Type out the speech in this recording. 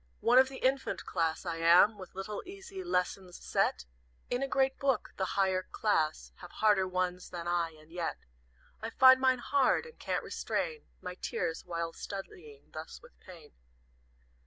"One of the infant class I am With little, easy lessons, set In a great book; the higher class Have harder ones than I, and yet I find mine hard, and can't restrain My tears while studying thus with Pain.